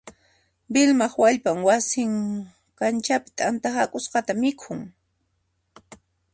Vilmaq wallpan wasi kanchapi t'anta hak'usqata mikhun.